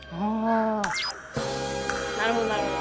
なるほどなるほど。